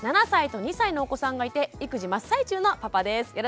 ７歳と２歳のお子さんがいて育児真っ最中のパパです。